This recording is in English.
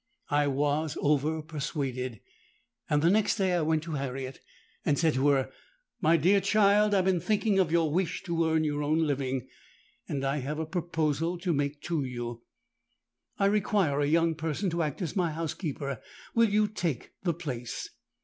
I was over persuaded; and the next day I went to Harriet, and said to her 'My dear child, I have been thinking of your wish to earn your own living; and I have a proposal to make to you. I require a young person to act as my housekeeper: will you take the place?